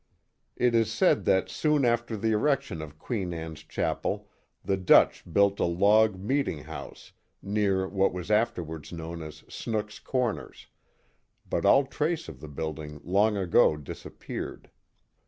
It is said that soon after the erection of Queen Anne's Chapel the Dutch built a log meeting house *' near what was afterwards know as Snook's Corners, but all trace of the build ing long ago disappeared.